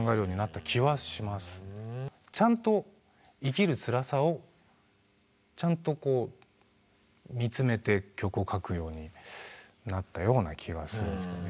ちゃんと生きるつらさをちゃんとこう見つめて曲を書くようになったような気はするんですけどね。